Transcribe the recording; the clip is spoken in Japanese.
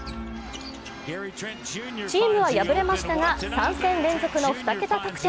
チームは敗れましたが、３戦連続の２桁得点。